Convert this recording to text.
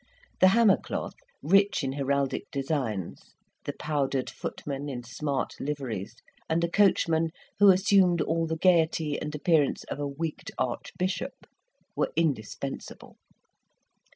The hammer cloth, rich in heraldic designs, the powdered footmen in smart liveries, and a coachman who assumed all the gaiety and appearance of a wigged archbishop, were indispensable.